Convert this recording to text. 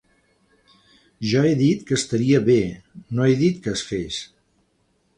Jo he dit que estaria bé, no he dit que es fes.